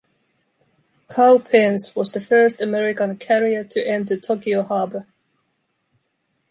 "Cowpens" was the first American carrier to enter Tokyo Harbor.